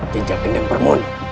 jenjak gendeng permoni